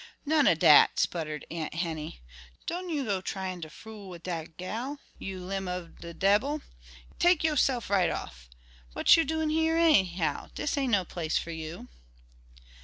"Non o' dat," sputtered Aunt Henny. "Don' you go tryin' ter fool wid dat gal, you lim' ob de debbil. Take yo'sef right off! What yer doin' hyar, enyhow? Dis ain't no place for you."